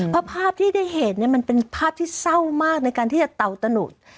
เพราะภาพที่ได้เห็นมันเป็นภาพที่เศร้ามากในการที่จะเตาตะหนุด